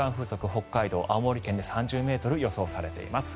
北海道、青森県で３０ｍが予想されています。